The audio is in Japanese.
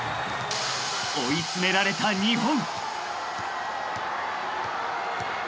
［追い詰められた日本］